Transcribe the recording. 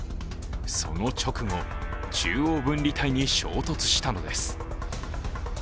その直後、中央分離帯に衝突したのです。